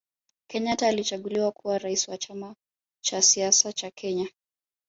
Kenyata alichaguliwa kuwa rais wa chama cha siasa cha kenya